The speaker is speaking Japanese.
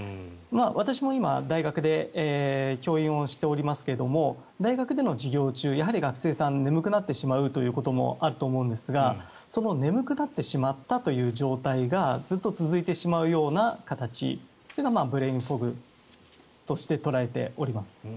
私も今、大学で教員をしておりますが大学での授業中やはり学生さん眠くなってしまうということもあると思うんですがその眠くなってしまったという状態がずっと続いてしまうような形それがブレインフォグとして捉えております。